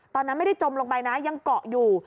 ตอนนั้นไม่ได้จมลงไปนะยังเกาะอยู่